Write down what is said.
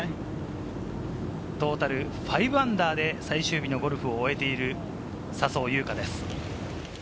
トータル−５で最終日のゴルフを終えている笹生優花です。